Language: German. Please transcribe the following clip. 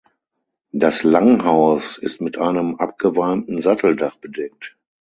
Das Langhaus ist mit einem abgewalmten Satteldach bedeckt.